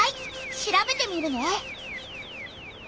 調べてみるね。